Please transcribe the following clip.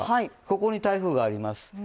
ここに台風があります。